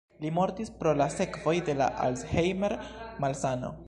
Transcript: Li mortis pro la sekvoj de la Alzheimer-malsano.